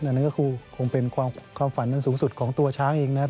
นั่นก็คือคงเป็นความฝันอันสูงสุดของตัวช้างเองนะครับ